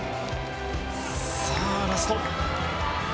さあ、ラスト。